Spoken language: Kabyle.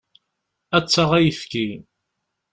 Ad d-taɣ ayefki.